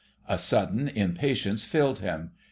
A sudden impatience filled him.